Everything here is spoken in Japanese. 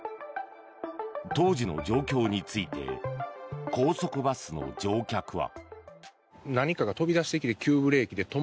当時の状況について高速バスの乗客は。